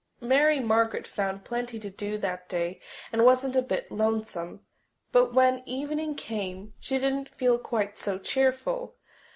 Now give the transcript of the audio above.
Mary Margaret found plenty to do that day and wasn't a bit lonesome. But when evening came she didn't feel quite so cheerful.